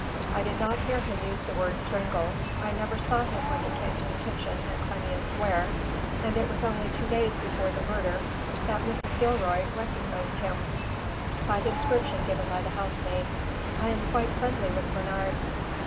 I did not hear him use the word strangle. I never saw him when he came to the kitchen at Crimea Square, and it was only two days before the murder that Mrs. Gilroy recognized him by the description given by the housemaid. I am quite friendly with Bernard."